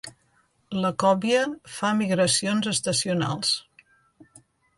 La còbia fa migracions estacionals.